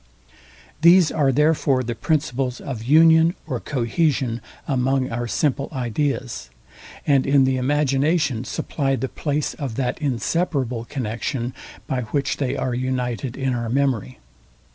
These are therefore the principles of union or cohesion among our simple ideas, and in the imagination supply the place of that inseparable connexion, by which they are united in our memory.